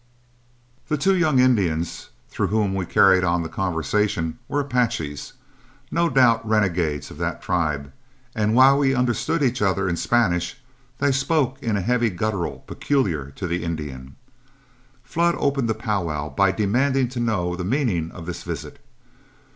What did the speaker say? The two young Indians through whom we carried on the conversation were Apaches, no doubt renegades of that tribe, and while we understood each other in Spanish, they spoke in a heavy guttural peculiar to the Indian. Flood opened the powwow by demanding to know the meaning of this visit.